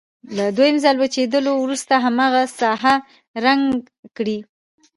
له دویم ځل وچېدلو وروسته هماغه ساحه رنګ کړئ.